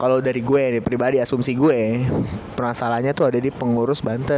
kalo dari gue pribadi asumsi gue perasaannya tuh ada di pengurus banten